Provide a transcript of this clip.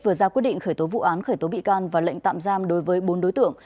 vừa ra quyết định khởi tố vụ án khởi tố bị can và lệnh tạm giam đối với bốn đối tượng